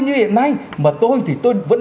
như hiện nay mà tôi thì tôi vẫn